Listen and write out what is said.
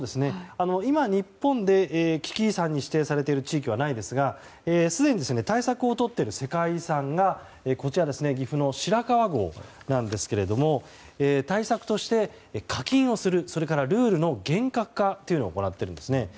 今、日本で危機遺産に指定されている地域はないですがすでに対策をとっている世界遺産が岐阜の白川郷なんですが対策として、課金をするそれからルールの厳格化を行っているんです。